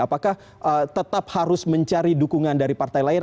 apakah tetap harus mencari dukungan dari partai lain